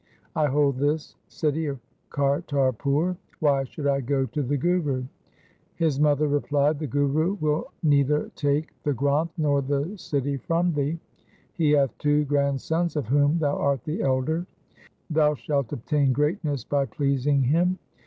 I hold this city of Kar tarpur. Why should I go to the Guru ?' His mother replied, ' The Guru will neither take the Granth nor the city from thee. He hath two grand sons of whom thou art the elder. Thou shalt obtain greatness by pleasing him.